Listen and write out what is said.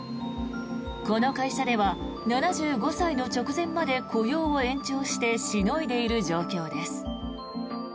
この会社では７５歳の直前まで雇用を延長してしのいでいる状況です。